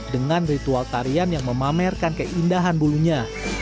dengan ritual tarian yang memamerkan keindahan bulunya